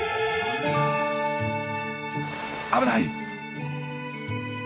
危ない！